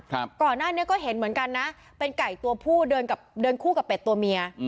ก่อนหน้านี้ก็เห็นเหมือนกันนะเป็นไก่ตัวผู้เดินกับเดินคู่กับเป็ดตัวเมียอืม